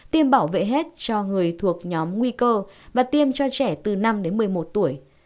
tiêm bảo vệ hết cho người thuộc nhóm nguy cơ và tiêm cho trẻ từ năm đến một mươi một tuổi